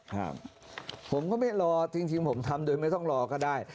ครับผมก็ไม่รอจริงจริงผมทำโดยไม่ต้องรอก็ได้